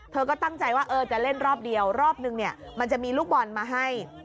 เธอก็ตั้งใจว่าจะเล่นรอบเดียวรอบนึงเนี่ยมันจะมีลูกบอลมาให้